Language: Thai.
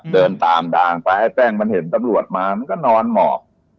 เดินตามด่านไปให้แป้งมันเห็นตำรวจมามันก็นอนหมอก